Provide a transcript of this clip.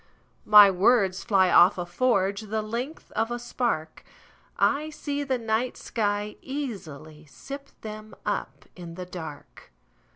My words fly off a forgeThe length of a spark;I see the night sky easily sip themUp in the dark.